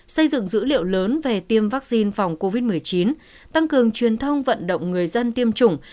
xây dựng dữ liệu lớn về tiêm vaccine phòng covid một mươi chín tăng cường truyền thông vận động người dân tiêm chủng